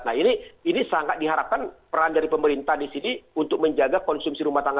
nah ini sangat diharapkan peran dari pemerintah di sini untuk menjaga konsumsi rumah tangga